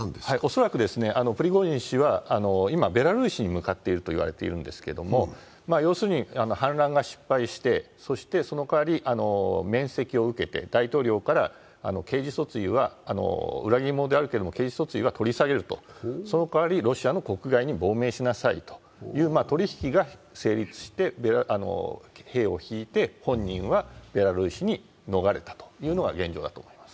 恐らくプリゴジン氏は今、ベラルーシに向かっているといわれているんですけど要するに反乱が失敗して、その代わり免責を受けて大統領から、裏切り者であるけど刑事訴追はしないとそのかわりロシアの国外に亡命しなさいという取り引きが成立して、兵を引いて、本人はベラルーシに逃れたというのが現状だと思います。